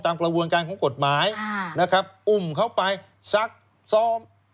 ตามประวังการของกฎหมายอุ่มเข้าไปซักซ่อม